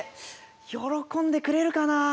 喜んでくれるかなあ？